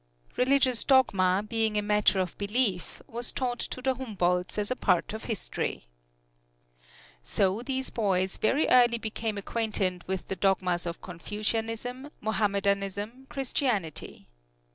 Religious dogma, being a matter of belief, was taught to the Humboldts as a part of history. So these boys very early became acquainted with the dogmas of Confucianism, Mohammedanism, Christianity.